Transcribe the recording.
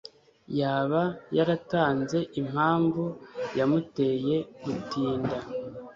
yaba yaratanze impamvu yamuteye gutinda?